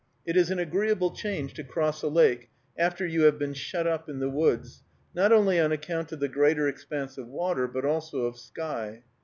It is an agreeable change to cross a lake, after you have been shut up in the woods, not only on account of the greater expanse of water, but also of sky.